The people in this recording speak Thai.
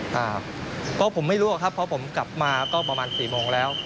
ก็ผมไม่รู้ครับเพราะผมกลับมาก็ประมาณสี่โมงแล้ว